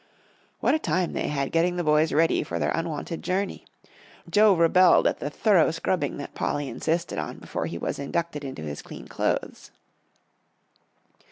What a time they had getting the boys ready for their unwonted journey! Joel rebelled at the thorough scrubbing that Polly insisted on before he was inducted into his clean clothes.